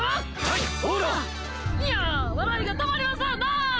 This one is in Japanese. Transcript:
いや笑いが止まりませんな！